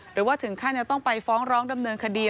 หรือว่าถึงขั้นจะต้องไปฟ้องร้องดำเนินคดี